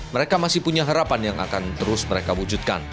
mereka masih punya harapan yang akan terus mereka wujudkan